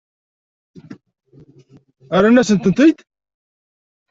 Rrant-asen-tent-id?